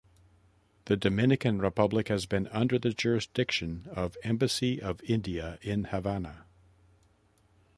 The Dominican Republic has been under the jurisdiction of Embassy of India in Havana.